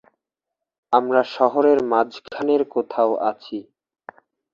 আমরা শহরের মাঝখানের কোথাও আছি।